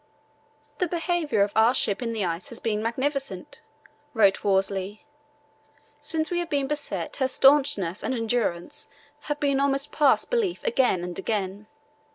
"The behaviour of our ship in the ice has been magnificent," wrote Worsley. "Since we have been beset her staunchness and endurance have been almost past belief again and again.